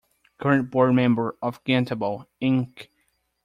Current Board Member of Getable, Inc.